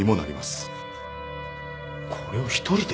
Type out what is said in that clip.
これを一人で？